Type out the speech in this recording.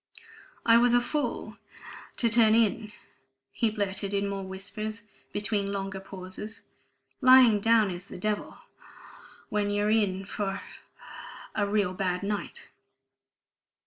"I was a fool ... to turn in," he blurted in more whispers between longer pauses. "Lying down is the devil ... when you're in for a real bad night.